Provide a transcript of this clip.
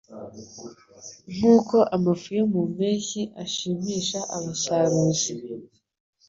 Nk’uko amafu yo mu mpeshyi ashimisha abasaruzi